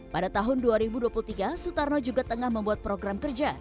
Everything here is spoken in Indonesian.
pada tahun dua ribu dua puluh tiga sutarno juga tengah membuat program kerja